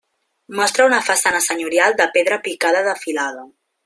Mostra una façana senyorial de pedra picada de filada.